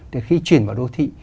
thì khi chuyển vào đô thị